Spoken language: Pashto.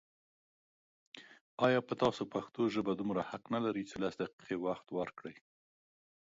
آيا په تاسو پښتو ژبه دومره حق نه لري چې لس دقيقې وخت ورکړئ